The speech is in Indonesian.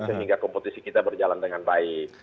sehingga kompetisi kita berjalan dengan baik